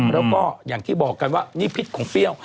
แล้วก็อย่างที่บอกกันว่านี่พิษของเปรี้ยว